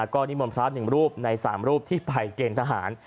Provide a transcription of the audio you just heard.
ก็นิมนต์พระ๑รูปใน๓รูปที่ไปเกณฑ์ทหาร